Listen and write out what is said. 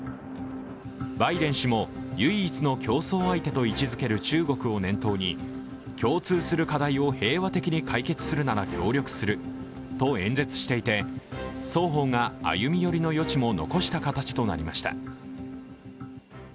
バイデン氏も唯一の競争相手と位置づける中国を念頭に、共通する課題を平和的に解決するなら協力すると演説していて双方が歩み寄りの余地も残した形となりました。